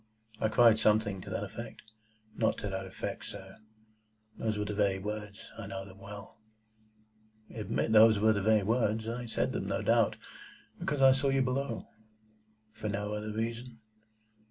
"I cried something to that effect—" "Not to that effect, sir. Those were the very words. I know them well." "Admit those were the very words. I said them, no doubt, because I saw you below." "For no other reason?"